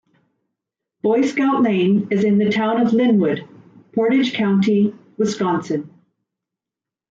Boy Scout Lane is in the Town of Linwood, Portage County, Wisconsin.